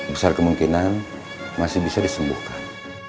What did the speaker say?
besar kemungkinan masih bisa disembuhkan